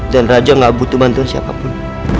dan raja gak butuh mantan siapapun